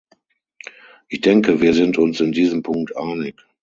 Ich denke, wir sind uns in diesem Punkt einig.